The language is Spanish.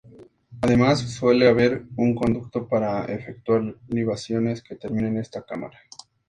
Además, suele haber un conducto para efectuar libaciones que termina en esta cámara.